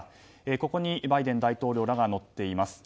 ここにバイデン大統領らが乗っています。